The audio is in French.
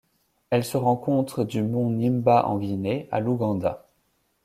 Elle se rencontre du mont Nimba en Guinée à l'Ouganda.